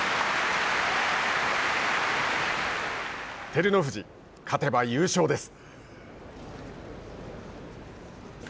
照ノ富士、勝てば優勝です。